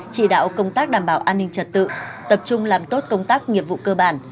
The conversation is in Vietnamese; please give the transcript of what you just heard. chỉ đạo công tác đảm bảo an ninh trật tự tập trung làm tốt công tác nghiệp vụ cơ bản